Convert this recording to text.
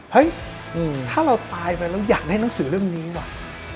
เฮ้ยถ้าเราตายไปแล้วอยากได้หนังสือเรื่องนี้ว่ะ